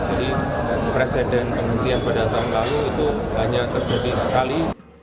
jadi presiden penghentian pada tahun lalu itu hanya terjadi sekali